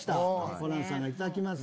ホランさんがいただきます。